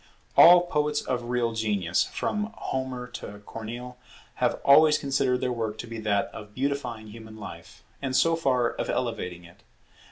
All poets of real genius, from Homer to Corneille, have always considered their work to be that of beautifying human life, and so far, of elevating it.